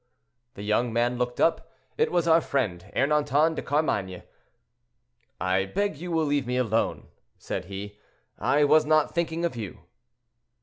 The young man looked up; it was our friend Ernanton de Carmainges. "I beg you will leave me alone," said he, "I was not thinking of you."